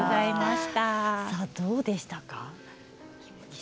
どうでしたか？